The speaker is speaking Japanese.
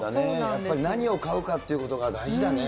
やっぱり何を買うかということが大事だね。